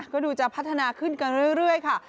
ก็ดูจะพัฒนาขึ้นกันเรื่อยค่ะ